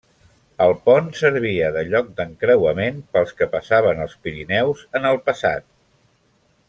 El pont servia de lloc d'encreuament pels que passaven els Pirineus en el passat.